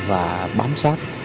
và bám sát